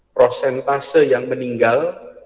prosentase yang meninggal